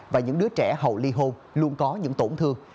và những đứa trẻ hầu ly hôn luôn có những tổn thương